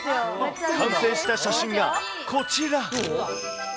完成した写真がこちら。